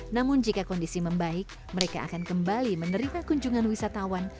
namun jika kondisi membaik mereka akan kembali menerima kunjungan wisatawan